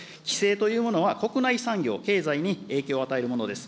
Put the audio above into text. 規制というものは、国内産業、経済に影響を与えるものです。